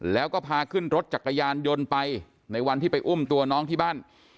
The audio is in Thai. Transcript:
แล้วก็พาขึ้นรถจักรยานยนต์ไปในวันที่ไปอุ้มตัวน้องที่บ้าน